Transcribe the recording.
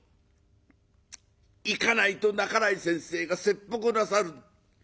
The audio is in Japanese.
「行かないと半井先生が切腹なさる。